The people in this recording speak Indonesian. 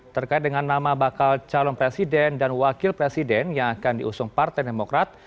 terkait dengan nama bakal calon presiden dan wakil presiden yang akan diusung partai demokrat